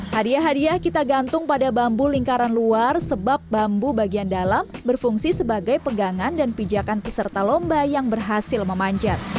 hadiah hadiah kita gantung pada bambu lingkaran luar sebab bambu bagian dalam berfungsi sebagai pegangan dan pijakan peserta lomba yang berhasil memanjat